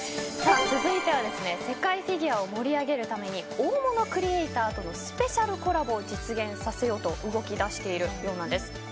続いては世界フィギュアを盛り上げるために大物クリエイターとのスペシャルコラボを実現させようと動きだしているようなんです。